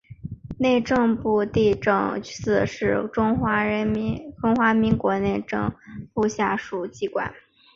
内政部地政司是中华民国内政部下属机关。